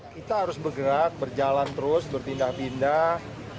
kita harus bergerak berjalan terus berpindah pindah